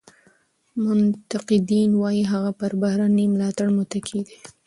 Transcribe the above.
منتقدین وایي هغه پر بهرني ملاتړ متکي دی.